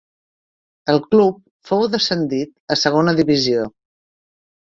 El club fou descendit a segona divisió.